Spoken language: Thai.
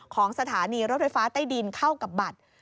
ของสถานีรถไฟฟ้าใต้ดินเข้ากับบัตร